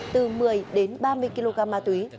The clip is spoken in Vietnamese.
từ một mươi đến ba mươi kg ma túy